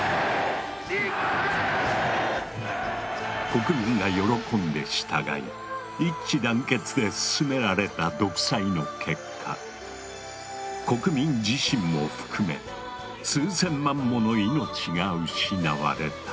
国民が喜んで従い一致団結で進められた独裁の結果国民自身も含め数千万もの命が失われた。